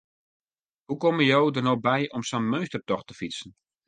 Hoe komme jo der no by om sa'n meunstertocht te fytsen?